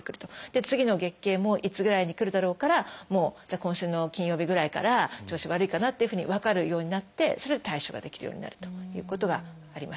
で次の月経もいつぐらいにくるだろうからもう今週の金曜日ぐらいから調子悪いかなっていうふうに分かるようになってそれで対処ができるようになるということがあります。